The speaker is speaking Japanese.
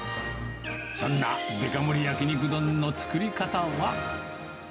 そんなデカ盛り焼肉丼の作り方は。